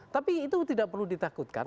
tapi itu tidak perlu ditakutkan